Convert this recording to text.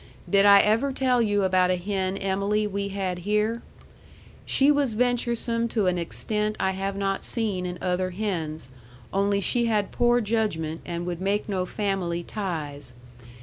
Did I ever tell you about a hen Emily we had here? She was venturesome to an extent I have not seen in other hens only she had poor judgement and would make no family ties.